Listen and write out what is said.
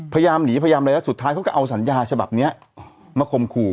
พยายามหนีพยายามอะไรแล้วสุดท้ายเขาก็เอาสัญญาฉบับนี้มาข่มขู่